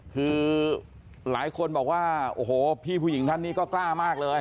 คือหลายคนบอกว่าโอ้โหพี่ผู้หญิงท่านนี้ก็กล้ามากเลย